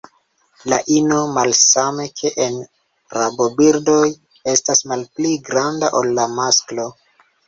La ino, malsame ke en rabobirdoj, estas malpli granda ol la masklo.